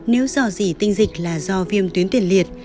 nếu do dì tinh dịch là do viêm tuyến tiền liệt